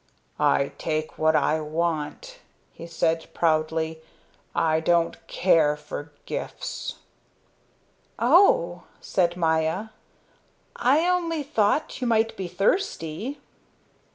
"I take what I want," he said proudly. "I don't care for gifts." "Oh," said Maya, "I only thought you might be thirsty."